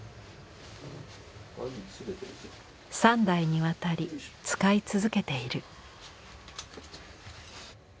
３代にわたり使い続けている。